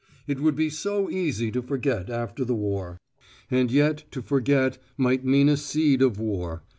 It would be so easy to forget, after the war. And yet to forget might mean a seed of war.